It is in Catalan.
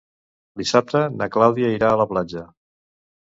Dissabte na Clàudia irà a la platja.